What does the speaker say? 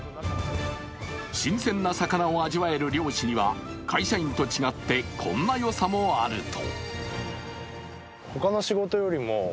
新鮮な魚を味わえる漁師には会社員と違ってこんな良さもあると。